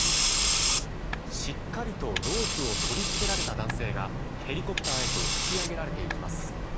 しっかりとロープを取り付けられた男性がヘリコプターへと引き上げられていきます。